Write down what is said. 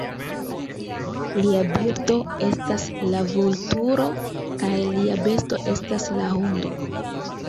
Lia birdo estas la vulturo, kaj lia besto estas la hundo.